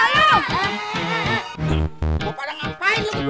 lo pada ngapain lo kedua